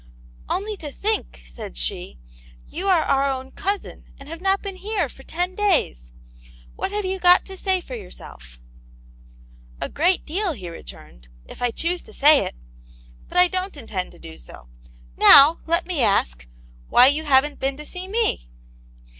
" Only to think," said she, " you are our own cousin, and have not been here for ten days ! What have you got to say for yourself }"" A great deal," he returned, " if I choose to say it But I don't intend to do so. Now, let me ask, why you hav*n*t been to see me